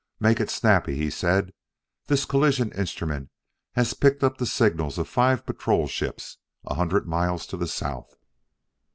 "Make it snappy," he said: "this collision instrument has picked up the signals of five patrol ships a hundred miles to the south."